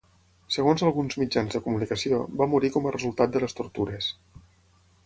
Segons alguns mitjans de comunicació, va morir com a resultat de les tortures.